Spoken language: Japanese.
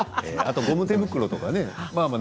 あとゴム手袋とかね。